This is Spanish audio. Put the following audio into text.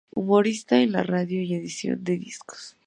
Humorista en la radio y en edición de discos.